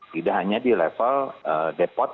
tidak hanya di level depot